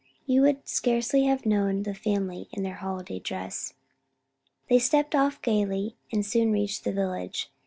You would scarcely have known the family in their holiday dress. They stepped off gaily, and soon reached the village.